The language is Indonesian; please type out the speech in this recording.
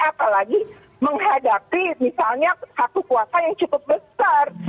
apalagi menghadapi misalnya satu kuasa yang cukup besar